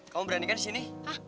kamu berani kan disini